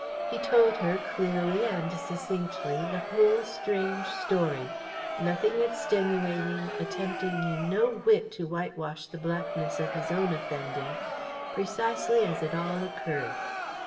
He told her, clearly and succinctly, the whole strange history nothing extenuating, attempting in no whit to whitewash the blackness of his own offending precisely as it all occurred.